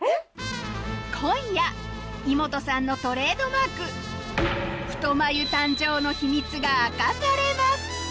今夜イモトさんのトレードマークが明かされます